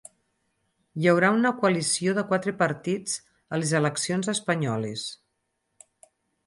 Hi haurà una coalició de quatre partits a les eleccions espanyoles